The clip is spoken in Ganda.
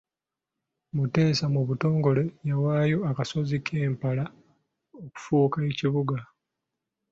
Muteesa mu butongole yawaayo akasozi k'empala okufuuka ekibuga.